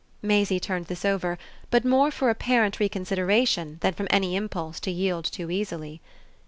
Maisie turned this over, but more for apparent consideration than from any impulse to yield too easily.